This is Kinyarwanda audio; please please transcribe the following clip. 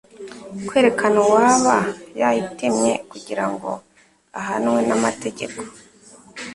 kwerekana uwaba yayitemye kugira ngo ahanwe n'amategeko.